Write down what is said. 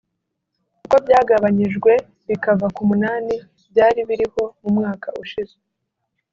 kuko byagabanyijwe bikava ku munani byari biriho mu mwaka ushize